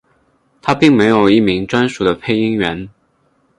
它并没有一名专属的配音员。